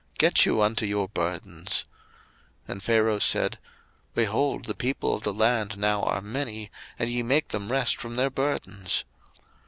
get you unto your burdens. 02:005:005 And Pharaoh said, Behold, the people of the land now are many, and ye make them rest from their burdens.